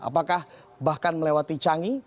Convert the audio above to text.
apakah bahkan melewati canggih